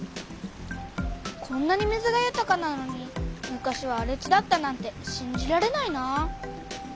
こんなに水がゆたかなのに昔はあれ地だったなんてしんじられないなあ。